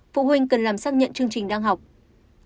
phụ huynh cần làm xác nhận chương trình đang học